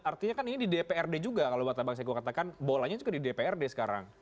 artinya kan ini di dprd juga kalau kata bang saiku katakan bolanya juga di dprd sekarang